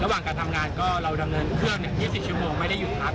ระหว่างการทำงานก็เราดำเนินเครื่อง๒๐ชั่วโมงไม่ได้หยุดพัก